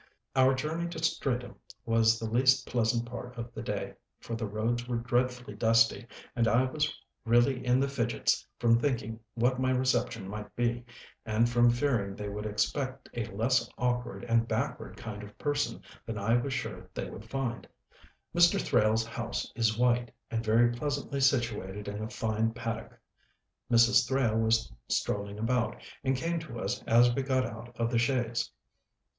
Our journey to Streatham was the least pleasant part of the day, for the roads were dreadfully dusty, and I was really in the fidgets from thinking what my reception might be, and from fearing they would expect a less awkward and backward kind of person than I was sure they would find. Mr. Thrale's house is white, and very pleasantly situated in a fine paddock. Mrs. Thrale was strolling about, and came to us as we got out of the chaise.